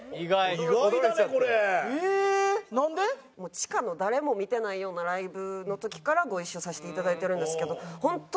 地下の誰も見てないようなライブの時からご一緒させて頂いてるんですけどホントにその時から。